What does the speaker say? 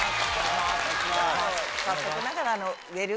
早速ながら。